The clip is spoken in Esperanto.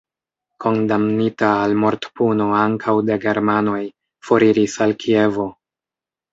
Kondamnita al mortpuno ankaŭ de germanoj, foriris al Kievo.